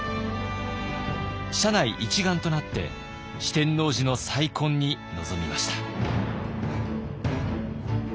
社内一丸となって四天王寺の再建に臨みました。